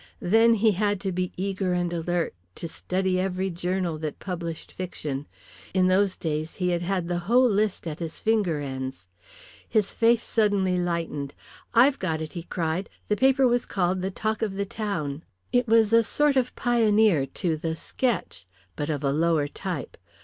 Then he had to be eager and alert, to study every journal that published fiction. In those days he had had the whole list at his finger ends. His face suddenly lightened. "I've got it," he cried. "The paper was called the Talk of the Town. It was a sort of pioneer to the Sketch, but of a lower type.